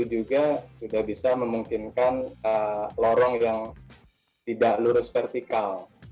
juga sudah bisa memungkinkan lorong yang tidak lurus vertikal